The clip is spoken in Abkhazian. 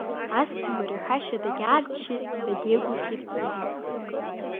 Асҭамыр иҳәашьа дагьарччеит, дагьеигәырӷьеит Гиви.